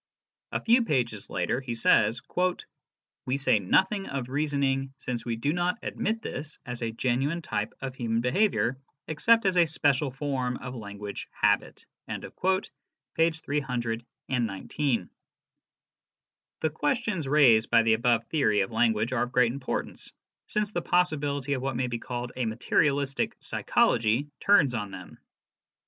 A few pages earlier, he says :" We say nothing of reasoning since we do not admit this as a genuine type of human behavior except as a special form of language habit" (p. 319). The questions raised by the above theory of language are of great importance, since the possibility of what may be called a materialistic psychology turns on them.